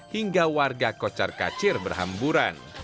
hingga warga kocar kacir berhamburan